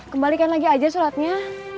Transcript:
kembalikan lagi aja suratnya